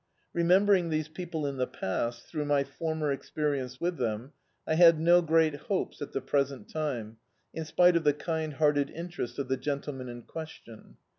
Remembering these people in the past, through my former experience with them, I had no great hopes at the present time, tn spite of the kind hearted in terest of the gentleman in questiffli.